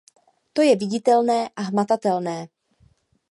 To je viditelné a hmatatelné.